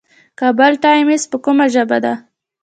کابل ټایمز په کومه ژبه ده؟